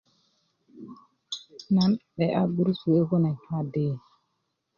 tiki nan 'de'ya gurus kuwr kune kadi